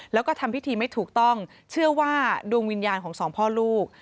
แล้วก็ทำพิธีไม่ถูกต้องเชื่อว่าดวงวิญญาณของสองพ่อลูก